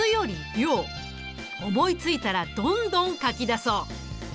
思いついたらどんどん書き出そう。